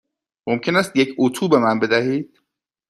ممکن است یک اتو به من بدهید؟